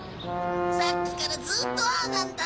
さっきからずっとああなんだ。